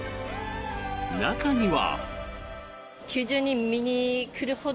中には。